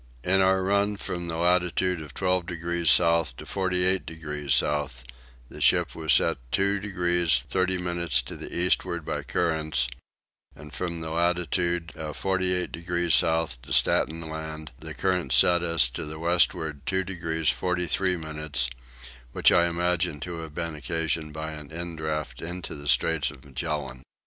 In our run from the latitude of 12 degrees south to 48 degrees south the ship was set 2 degrees 30 minutes to the eastward by currents; and from the latitude of 48 degrees south to Staten Land the currents set us to the westward 2 degrees 43 minutes; which I imagine to have been occasioned by an indraught into the Straits of Magellan.